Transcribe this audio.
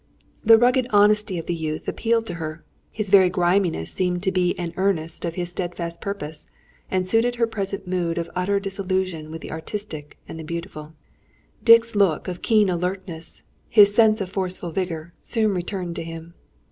The rugged honesty of the youth appealed to her. His very griminess seemed but an earnest of his steadfast purpose, and suited her present mood of utter disillusion with the artistic and the beautiful. Dick's look of keen alertness, his sense of forceful vigour, soon returned to him.